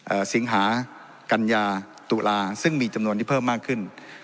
สิงหากัญญาตุลาซึ่งมีจำนวนที่เพิ่มมากขึ้น